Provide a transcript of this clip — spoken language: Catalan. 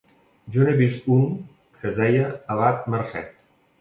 Jo n'he vist un que es deia Abat Mercè.